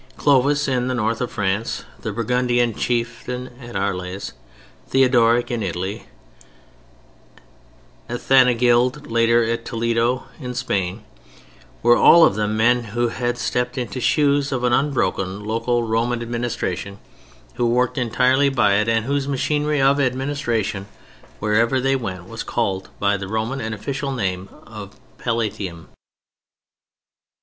Clovis, in the north of France, the Burgundian chieftain at Arles, Theodoric in Italy, Athanagild later at Toledo in Spain, were all of them men who had stepped into the shoes of an unbroken local Roman administration, who worked entirely by it, and whose machinery of administration wherever they went was called by the Roman and official name of Palatium.